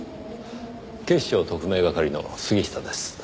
警視庁特命係の杉下です。